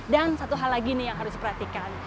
dan satu hal lagi nih yang harus diperhatikan